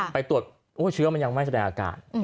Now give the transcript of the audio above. ไปตรวจเชื้อมันยังไม่แสดงอาการ